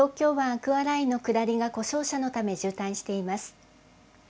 アクアラインの下りが故障車のため渋滞しています。